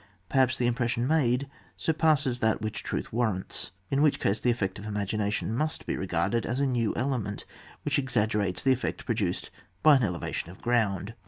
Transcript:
Perhaps the impression made surpasses that which the truth warrants, in which case the effect of imagination must be regarded as a new element, which exaggerates the effect produced by an elevation of ground.